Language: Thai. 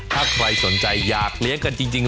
ถ้าใครสนใจอยากเลี้ยงกันจริง